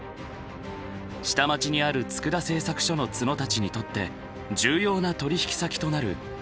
下町にある佃製作所の津野たちにとって重要な取引先となる帝国重工。